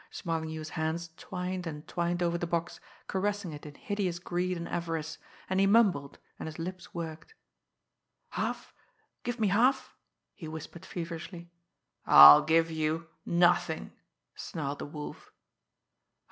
Smarlinghue's hands twined and twined over the box, caressing it in hideous greed and avarice; and he mumbled, and his lips worked. "Half give me half?" he whispered feverishly. "I'll give you nothing!" snarled the Wolf.